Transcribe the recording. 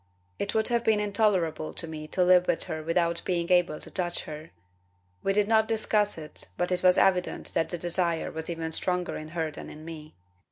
It would have been intolerable to me to live with her without being able to touch her. We did not discuss it, but it was evident that the desire was even stronger in her than in me.